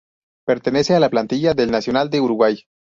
Pertenece a la plantilla del Nacional de Uruguay.